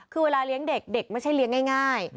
คือเวลาเลี้ยงเด็กเด็กไม่ใช่เลี้ยงง่าย